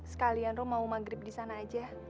sekalian roh mau maghrib di sana aja